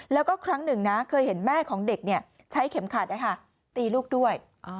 แล้วก็ครั้งหนึ่งนะเคยเห็นแม่ของเด็กใช้เข็มขัดตีลูกด้วย